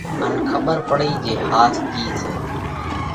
ان کٻر پاڙئي جي ۿاس ڪِي سئہ؟